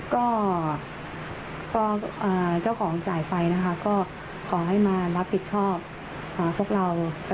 ก็เจ้าของจ่ายไปนะคะก็ขอให้มารับผิดชอบพวกเรา